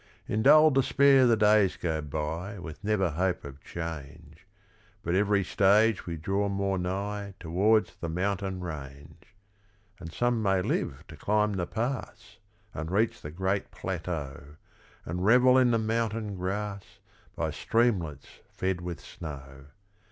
In dull despair the days go by With never hope of change, But every stage we draw more nigh Towards the mountain range; And some may live to climb the pass, And reach the great plateau, And revel in the mountain grass, By streamlets fed with snow.